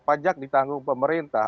pajak ditanggung pemerintah